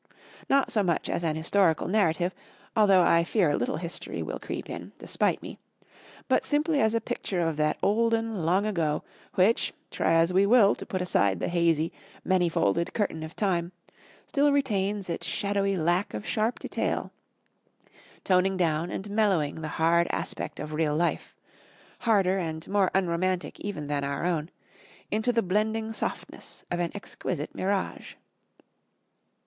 Not so much as an historical narrative, although I fear a little history will creep in, despite me, but simply as a picture of that olden long ago, which, try as we will to put aside the hazy, many folded curtain of time, still retains its shadowy lack of sharp detail, toning down and mellowing the hard aspect of real life harder and more unromantic even than our own into the blending softness of an exquisite mirage.